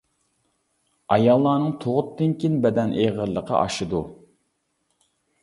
ئاياللارنىڭ تۇغۇتتىن كېيىن بەدەن ئېغىرلىقى ئاشىدۇ.